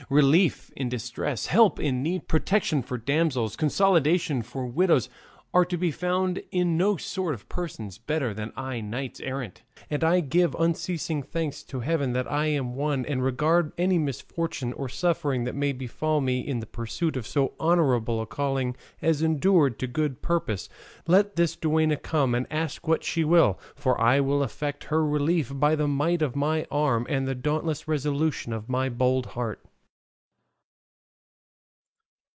Relief in distress, help in need, protection for damsels, consolation for widows, are to be found in no sort of persons better than in knights errant; and I give unceasing thanks to heaven that I am one, and regard any misfortune or suffering that may befall me in the pursuit of so honourable a calling as endured to good purpose. Let this duenna come and ask what she will, for I will effect her relief by the might of my arm and the dauntless resolution of my bold heart."